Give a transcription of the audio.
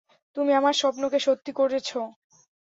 তুমি আমার স্বপ্ন কে সত্যি করেছো।